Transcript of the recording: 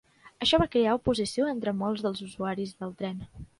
Això va crear oposició entre molts dels usuaris del tren.